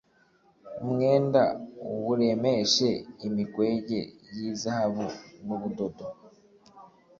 umwenda uwuremeshe imikwege y'izahabu n'ubudodo